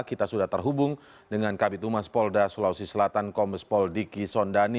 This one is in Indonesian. kita sudah terhubung dengan kabit umas polda sulawesi selatan komes pol diki sondani